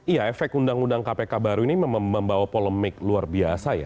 iya efek undang undang kpk baru ini membawa polemik luar biasa ya